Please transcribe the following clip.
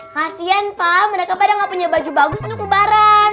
kasian pak mereka pada nggak punya baju bagus untuk lebaran